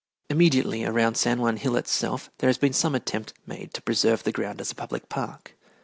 Immediately around San Juan Hill itself there has been some attempt made to preserve the ground as a public park.